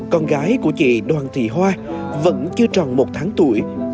con gái của chị đoàn thị hoa vẫn chưa tròn một tháng tuổi